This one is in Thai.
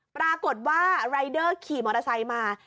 ปรากฏว่ารายเดอร์ขี่มอเตอร์ไซค์มา